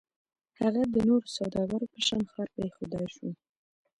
هغه د نورو سوداګرو په شان ښار پرېښودای شو.